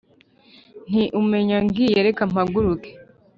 nti : umenya ngiye reka mpaguruke!